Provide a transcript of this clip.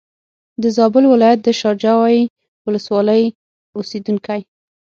د زابل ولایت د شا جوی ولسوالۍ اوسېدونکی.